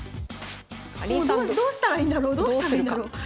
もうどうしたらいいんだろうどうしたらいいんだろう？